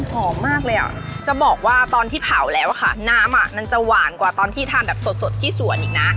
หอมมากเลยอ่ะจะบอกว่าตอนที่เผาแล้วค่ะน้ำอ่ะมันจะหวานกว่าตอนที่ทานแบบสดที่สวนอีกนะ